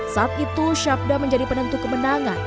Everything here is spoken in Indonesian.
saat itu syabda menjadi penentu kemenangan